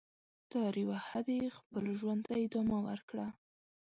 تر یوه حده یې خپل ژوند ته ادامه ورکړه.